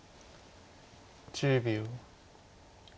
１０秒。